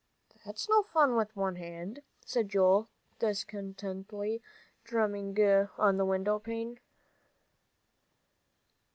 "That's no fun, with one hand," said Joel, disconsolately, drumming on the window pane.